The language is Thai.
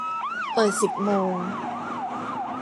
เปิดสิบโมง